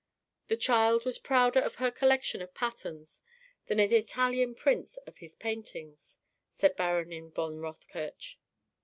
The child was prouder of her collection of patterns than an Italian prince of his paintings, said Baronin von Rothkirch.